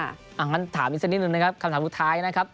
อย่างนั้นถามอีกสักนิดนึงนะครับคำถามสุดท้ายนะครับ